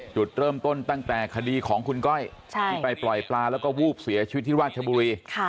จุดเริ่มต้นตั้งแต่คดีของคุณก้อยที่ไปปล่อยปลาแล้วก็วูบเสียชีวิตที่ราชบุรี